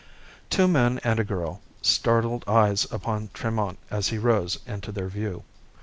Two men and a girl turned startled eyes upon Tremont as he rose into their view.